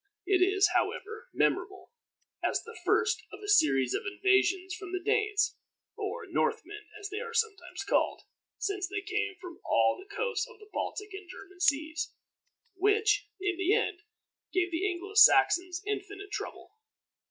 It is, however, memorable as the first of a series of invasions from the Danes or Northmen, as they are sometimes called, since they came from all the coasts of the Baltic and German Seas which, in the end, gave the Anglo Saxons infinite trouble.